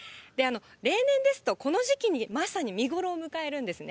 例年ですとこの時期にまさに見頃を迎えるんですね。